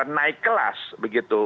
naik kelas begitu